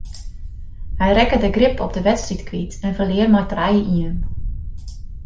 Hy rekke de grip op de wedstryd kwyt en ferlear mei trije ien.